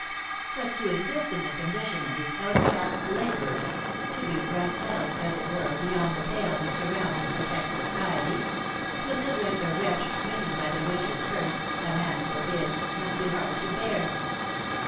But to exist in the condition of these outcast labourers — to be thrust out, as it were, beyond the pale that surrounds and protects society — to live like the wretch, smitten by the witches' curse, ' a man forbid/ must be hard to bear.